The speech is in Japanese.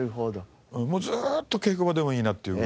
もうずっと稽古場でもいいなっていうぐらい。